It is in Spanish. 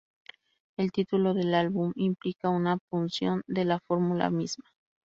El título del álbum implica una punción de la fórmula misma.